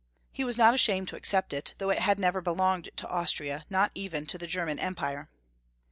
He was not ashamed to accept it though it had never belonged to Austria, not even to the German Empire.